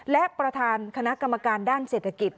และประธานคณะกรรมการด้านเศรษฐกิจ